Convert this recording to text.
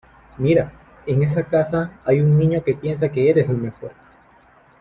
Mira, en esa casa hay un niño que piensa que eres lo mejor.